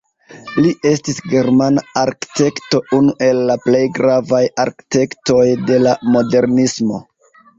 Li estis germana arkitekto, unu el la plej gravaj arkitektoj de la modernismo.